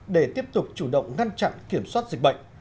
để tiếp tục chủ động ngăn chặn kiểm soát dịch bệnh